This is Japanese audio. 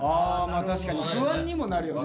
確かに不安にもなるよね。